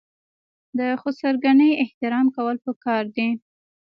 د خسرګنۍ احترام کول پکار دي.